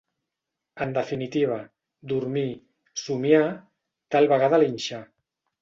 En definitiva, dormir, somiar, tal vegada linxar.